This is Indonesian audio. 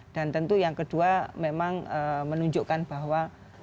dan tentu yang kedua memang menunjukkan bahwa